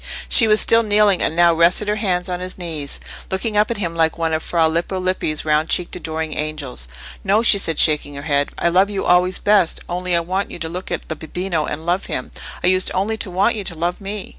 She was still kneeling, and now rested her hands on his knee, looking up at him like one of Fra Lippo Lippi's round cheeked adoring angels. "No," she said, shaking her head; "I love you always best, only I want you to look at the bambino and love him; I used only to want you to love me."